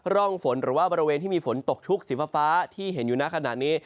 ร่องฝนหรือว่าบริเวณที่มีฝนตกชุกสีฟ้าที่เห็นอยู่หน้าขณะนี้